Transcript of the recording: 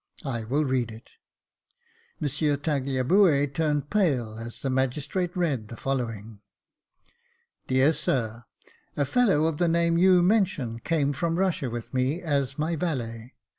I will read it." M. Tagliabue turned pale as the magistrate read the following :—Dear Sir, — A fellow of the name you mention came from Russia with me, as my valet.